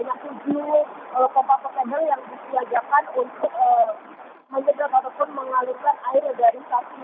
ini diantisipasi penaikan air akan semakin menegih